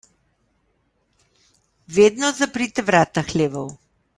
Vedno zaprite vrata hlevov.